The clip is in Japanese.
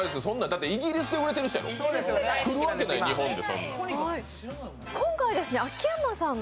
だってイギリスで売れてる人でしょ、来るわけない日本に。